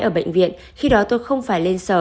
ở bệnh viện khi đó tôi không phải lên sở